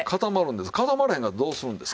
固まらへんかったらどうするんですか。